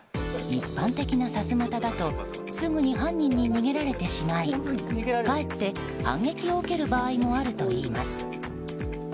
一般的なさすまただとすぐに犯人に逃げられてしまいかえって反撃を受ける場合もあるといいます。